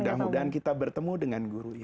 mudah mudahan kita bertemu dengan guru ini